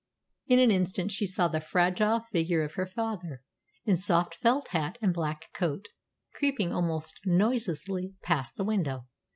In an instant she saw the fragile figure of her father, in soft felt hat and black coat, creeping almost noiselessly past the window.